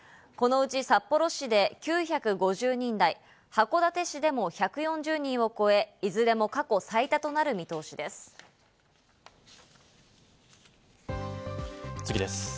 このうち札幌市で９５０人台、函館市でも１４０人を超え、いずれも過去最多となる見通しです。